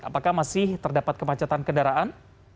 apakah masih terdapat kemacetan kendaraan